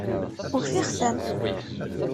Ufiɣ-ten!